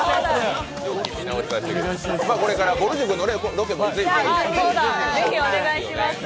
これから、ぼる塾のロケもぜひ一緒に。